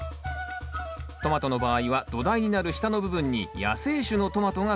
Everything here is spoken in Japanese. トマトの場合は土台になる下の部分に野生種のトマトが使われます